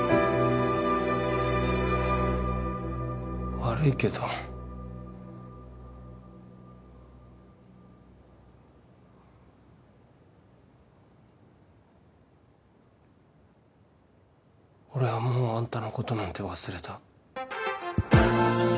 悪いけど俺はもうあんたのことなんて忘れた